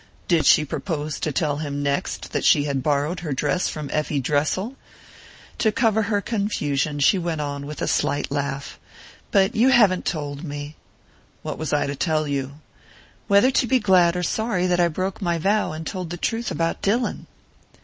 Did she propose to tell him next that she had borrowed her dress from Effie Dressel? To cover her confusion she went on with a slight laugh: "But you haven't told me." "What was I to tell you?" "Whether to be glad or sorry that I broke my vow and told the truth about Dillon."